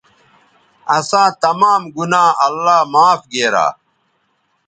اِساں تمام گنا اللہ معاف گیرا